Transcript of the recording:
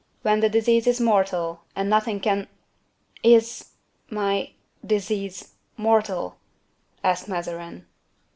When the disease is mortal, and nothing can—" "Is—my—disease—mortal?" asked Mazarin.